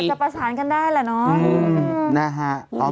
ก็อาจจะประสานกันได้แหละเนอะ